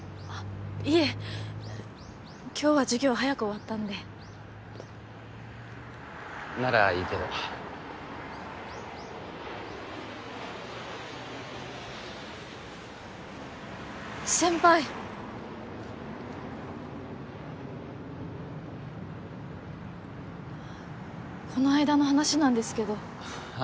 いえ今日は授業早く終わったんでならいいけど先輩この間の話なんですけどあ